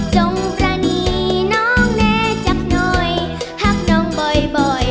จงประนีน้องแน่จับหน่อยหักน้องบ่อย